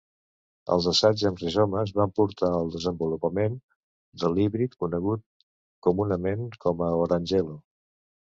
Els assaigs amb rizomes van portar al desenvolupament de l'híbrid conegut comunament com a orangelo.